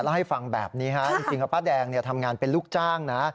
เล่าให้ฟังแบบนี้ฮะจริงแล้วป้าแดงทำงานเป็นลูกจ้างนะ